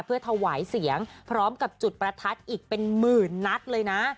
เพื่อถวายเสียงพร้อมกับจุดประทัดอีกเป็นหมื่นนัดเลยนะ